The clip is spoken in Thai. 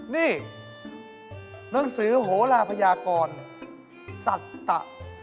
นี่เรื่องศือโหลาพัยากรสัตตะ